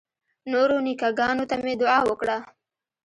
نورو نیکه ګانو ته مې دعا وکړه.